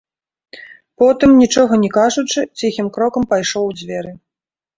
Потым, нічога не кажучы, ціхім крокам пайшоў у дзверы.